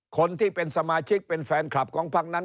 คนที่เป็นสมาชิกเป็นแฟนคลับของพักนั้น